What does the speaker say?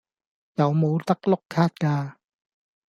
有冇得碌卡㗎